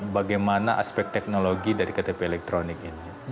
bagaimana aspek teknologi dari ktp elektronik ini